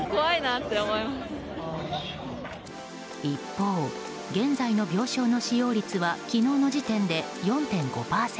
一方、現在の病床の使用率は昨日の時点で４．５％。